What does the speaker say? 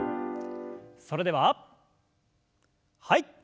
それでははい。